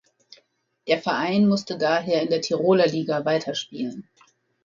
Der Verein musste daher in der Tiroler Liga weiterspielen.